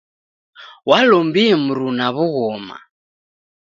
Walombie mruna w'ughoma.